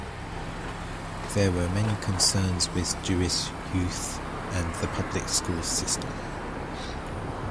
There were many concerns with Jewish youth and the public school system.